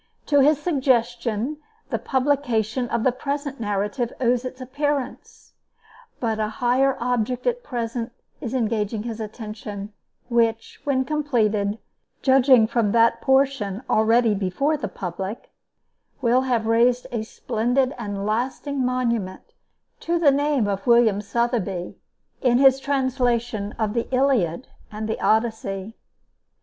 To his suggestion the publication of the present narrative owes its appearance. But a higher object at present is engaging his attention, which, when completed, judging from that portion already before the public, will have raised a splendid and lasting monument to the name of William Sotheby, in his translation of the Iliad and the Odyssey.